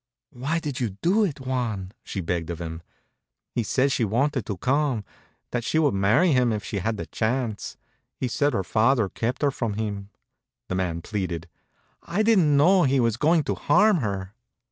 "Why did you do it, Juan?" she begged of him. "He said she wanted to come, that she would marry him if she had a chance. He said her father kept her from him," the man pleaded. "I didn't know he was going to harm her."